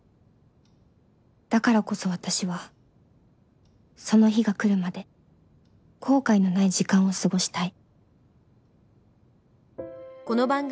だからこそ私はその日が来るまで後悔のない時間を過ごしたい